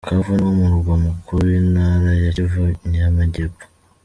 Bukavu niwo murwa mukuru w’Intara ya Kivu y’Amajyepfo.